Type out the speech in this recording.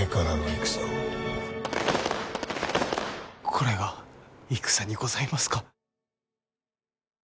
これが戦にございますか？